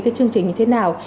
cái chương trình như thế nào